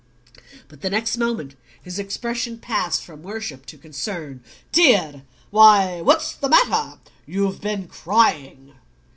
But the next moment his expression passed from worship to concern. "Dear! Why, what's the matter? You've been crying!"